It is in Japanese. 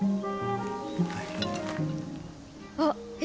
あっえ？